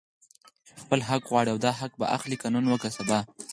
خپل حق غواړي او دا حق به اخلي، که نن وو که سبا